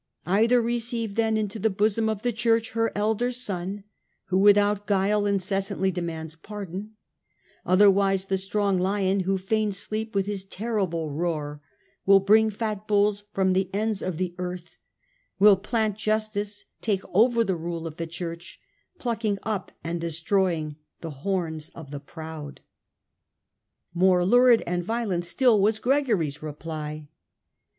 Either receive then, into the bosom of the Church her elder son, who without guile incessantly demands pardon ; otherwise the strong lion, who feigns sleep, with his terrible roar will bring fat bulls from the ends of the earth ; will plant justice, take over the rule of the Church, plucking up and de stroying the horns of the proud !" i66 STUPOR MUNDI More lurid and violent still was Gregory's reply.